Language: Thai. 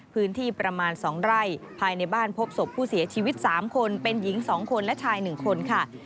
พื้นที่ประมาณ๒ไร่ภายในบ้านพบศพผู้เสียชีวิต๓คนเป็นหญิง๒คนและชาย๑คนค่ะ